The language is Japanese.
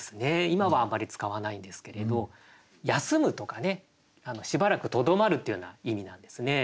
今はあまり使わないんですけれど休むとかねしばらくとどまるっていうような意味なんですね。